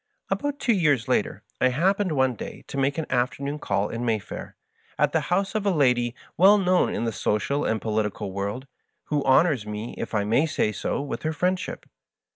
rv. About two years later I happened one day to make an afternoon call in Mayfair, at the house of a lady well known in the social and political world, who honors me, if I may say so, with her friendship.